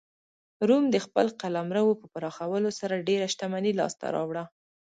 روم د خپل قلمرو په پراخولو سره ډېره شتمني لاسته راوړه